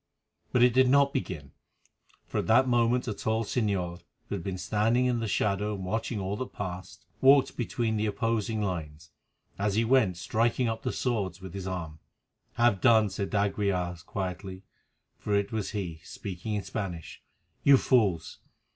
But it did not begin, for at that moment a tall señor, who had been standing in the shadow and watching all that passed, walked between the opposing lines, as he went striking up the swords with his arm. "Have done," said d'Aguilar quietly, for it was he, speaking in Spanish. "You fools!